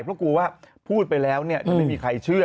ปรากฏว่าพูดไปแล้วเนี่ยไม่มีใครเชื่อ